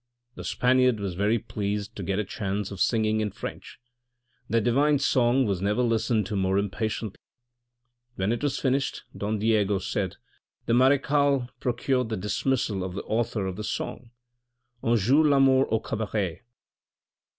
The Spaniard was very pleased to get a chance of singing in French. That divine song was never listened to more impatiently. When it was finished Don Diego said —" The marechale pro cured the dismissal of the author of the song :" Un jour l'amour au cabaret."